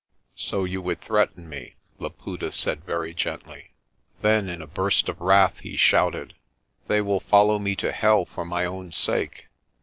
' "So you would threaten me," Laputa said very gently. Then in a burst of wrath he shouted, "They will follow me to hell for my own sake.